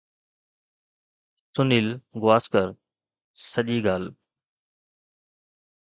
سنيل گواسڪر سڄي ڳالهه